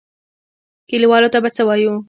کليوالو ته به څه وايو.